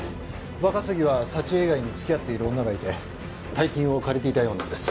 若杉は佐知恵以外に付き合っている女がいて大金を借りていたようなんです。